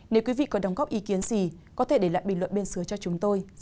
nếu quý vị có đóng góp ý kiến gì có thể để lại bình luận bên xưa cho chúng tôi